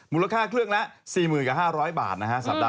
มูลค่าเครื่องละ๔๐๕๐๐บาทนะฮะ